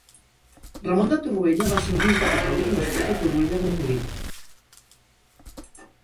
Ramon de Torroella va ser un bisbe catòlic nascut a Torroella de Montgrí.